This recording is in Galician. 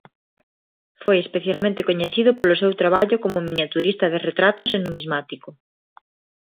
Foi especialmente coñecido polo seu traballo como miniaturista de retratos e numismático.